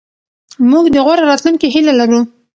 موږ د غوره راتلونکي هیله لرو.